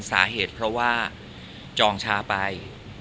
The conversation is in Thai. สาเหตุเพราะว่าจองชาไป